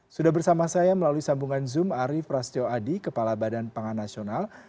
sudah bersama saya melalui sambungan zoom arief rastio adi kepala badan pangan nasional